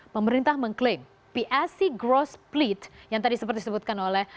pemerintah mengklaim psc growth split yang tadi seperti disebutkan oleh